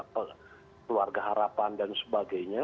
keluarga harapan dan sebagainya